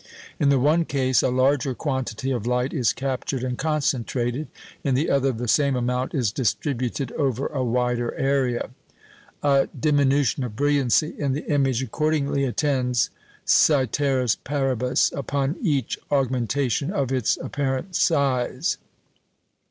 In the one case, a larger quantity of light is captured and concentrated; in the other, the same amount is distributed over a wider area. A diminution of brilliancy in the image accordingly attends, coeteris paribus, upon each augmentation of its apparent size.